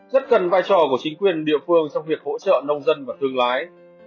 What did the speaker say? rất cần vai trò của chính quyền địa phương trong việc hỗ trợ nông dân và thương lái